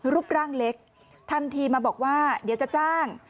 รูปร่างเล็กทำทีมาบอกว่าเดี๋ยวจะจ้าง